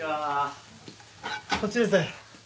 こっちです。